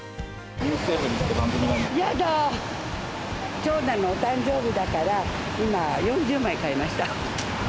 長男のお誕生日だから今、４０枚買いました。